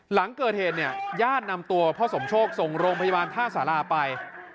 หลังเกิดเหตุเนี่ยญาตินำตัวพ่อสมโชคส่งโรงพยาบาลท่าสาราไป